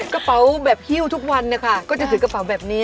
กระเป๋าแบบฮิ้วทุกวันนะคะก็จะถือกระเป๋าแบบนี้